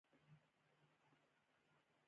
تاسو په نړیوالو ادبي شخصیتونو کې چا نومونه پیژنئ.